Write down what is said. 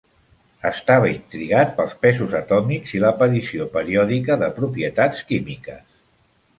Estava intrigar pels pesos atòmics i l'aparició periòdica de propietats químiques.